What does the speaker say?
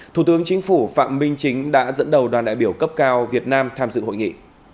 thủ tướng chính phủ phạm minh chính đã dẫn đầu đoàn đại biểu cấp cao việt nam tham dự hội nghị